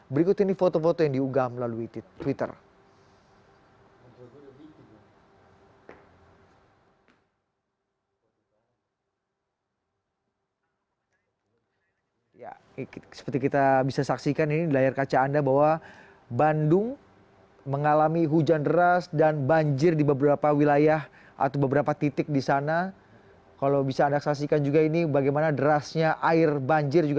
berikut ini foto foto yang diunggah melalui twitter